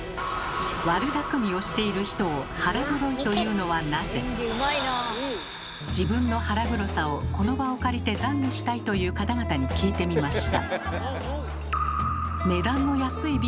悪だくみをしている人を自分の腹黒さをこの場を借りてざんげしたいという方々に聞いてみました。